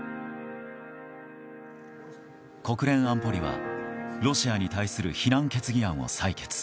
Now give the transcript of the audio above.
国連安保理は、ロシアに対する非難決議案を採決。